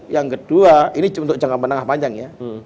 yang kedua ini untuk jangka menengah panjang ya